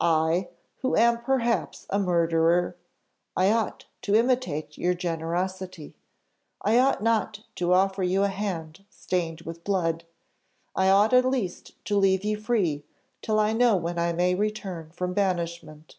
I, who am perhaps a murderer! I ought to imitate your generosity, I ought not to offer you a hand stained with blood: I ought at least to leave you free till I know when I may return from banishment.